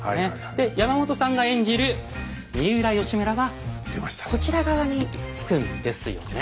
で山本さんが演じる三浦義村はこちら側につくんですよね。